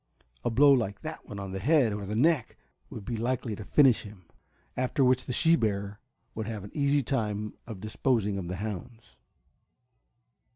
A blow like that one the head or the neck would be likely to finish him, after which the she bear would have an easy time of disposing of the hounds.